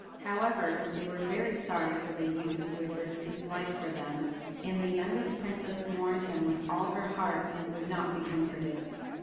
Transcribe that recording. However, they were very sorry for the youth who had risked his life for them, and the youngest princess mourned him with all her heart, and would not be comforted.